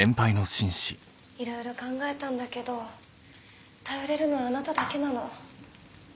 いろいろ考えたんだけど頼れるのはあなただけなの。